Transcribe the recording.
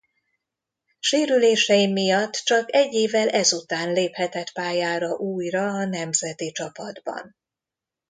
Sérülései miatt csak egy évvel ezután léphetett pályára újra a nemzeti csapatban.